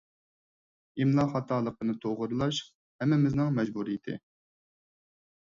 ئىملا خاتالىقىنى توغرىلاش ھەممىمىزنىڭ مەجبۇرىيىتى.